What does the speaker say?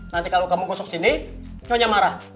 nanti kalau kamu gosok sini nyonya marah